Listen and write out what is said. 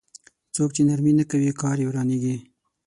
څوک چې نرمي نه کوي کار يې ورانېږي.